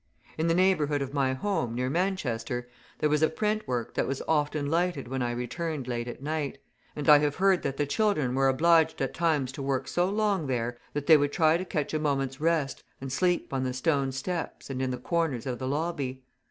In the neighbourhood of my home, near Manchester, there was a print work that was often lighted when I returned late at night; and I have heard that the children were obliged at times to work so long there, that they would try to catch a moment's rest and sleep on the stone steps and in the corners of the lobby.